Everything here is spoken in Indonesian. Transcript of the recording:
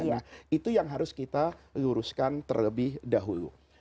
nah itu yang harus kita luruskan terlebih dahulu